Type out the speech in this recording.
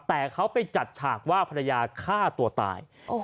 แต่เขาไปจัดฉากว่าภรรยาฆ่าตัวตาย